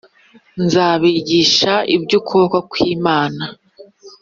Nzabigisha iby ukuboko kw Imana